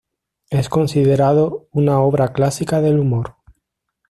Es considerado una obra clásica del humor.